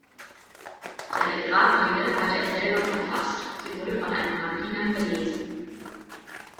Seine Grabrede hatte er selber verfasst, sie wurde von einem Rabbiner verlesen.